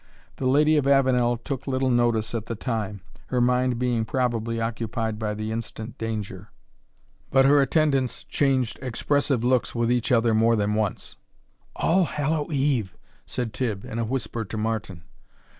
The Lady of Avenel took little notice at the time, her mind being probably occupied by the instant danger; but her attendants changed expressive looks with each other more than once. "All Hallow Eve!" said Tibb, in a whisper to Martin.